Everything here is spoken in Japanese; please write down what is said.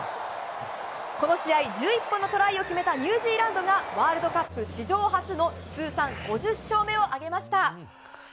この試合１１本のトライを決めたニュージーランドがワールドカップ史上初の通算５０勝目を挙げました。